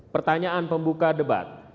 pertanyaan pembuka debat